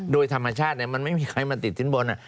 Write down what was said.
โดยธรรมชาติเนี่ยมันไม่มีใครมาติดทิ้งบน